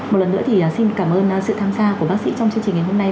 một lần nữa thì xin cảm ơn sự tham gia của bác sĩ trong chương trình ngày hôm nay